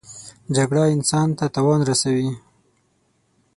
جګړه انسان ته تاوان رسوي